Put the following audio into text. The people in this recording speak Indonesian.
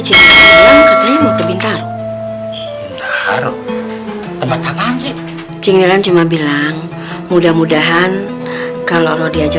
cinta yang katanya mau ke bintaro tempat apaan sih cinggilan cuma bilang mudah mudahan kalau diajak